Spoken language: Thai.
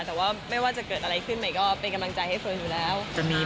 แต่ว่าไม่ว่าจะเกิดอะไรขึ้นใหม่ก็เป็นกำลังใจให้เฟิร์นอยู่แล้ว